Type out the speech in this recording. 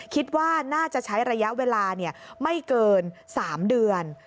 คิดว่าน่าจะใช้ระยะเวลาไม่เกิน๓เดือน